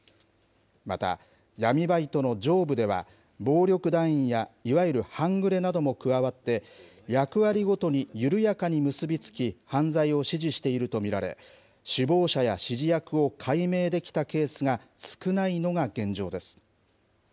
また、闇バイトの上部では、暴力団員や、いわゆる半グレなども加わって、役割ごとに緩やかに結び付き、犯罪を指示していると見られ、首謀者や指示役を解明できたケースが少ないのが現状です。